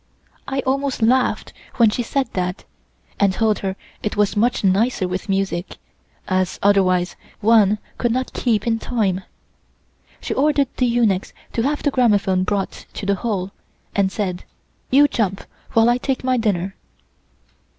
I almost laughed when she said that, and told her it was much nicer with music, as otherwise one could not keep in time. She ordered the eunuchs to have the gramophone brought to the hall, and said: "You jump while I take my dinner."